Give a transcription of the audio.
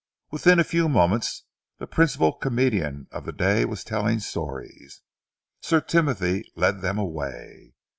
Within a few moments, the principal comedian of the day was telling stories. Sir Timothy led them away.